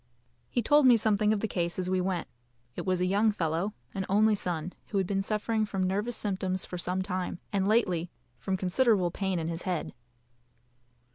He told me something of the case as we went. It was a young fellow, an only son, who had been suffering from nervous symptoms for some time, and lately from considerable pain in his head.